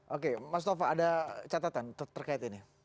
oke mas tova ada catatan terkait ini